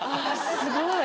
すごい！